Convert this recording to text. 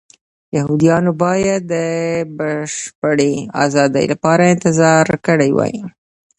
یهودیانو باید د بشپړې ازادۍ لپاره انتظار کړی وای.